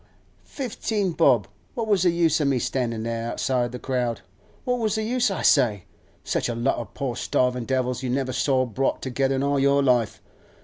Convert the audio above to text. Fifteen bob! What was the use o' me standin' there, outside the crowd? What was the use, I say? Such a lot o' poor starvin' devils you never saw brought together in all your life.